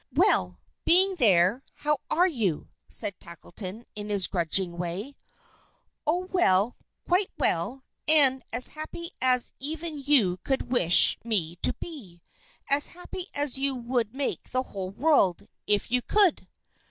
"Well! being there, how are you?" said Tackleton, in his grudging way. "Oh, well; quite well. And as happy as even you could wish me to be as happy as you would make the whole world, if you could."